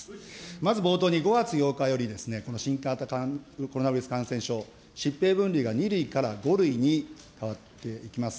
まず冒頭に５月８日より、この新型コロナウイルス感染症、疾病分類が２類から５類に変わっていきます。